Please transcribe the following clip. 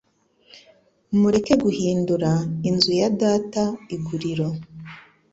mureke guhindura inzu ya Data iguriro.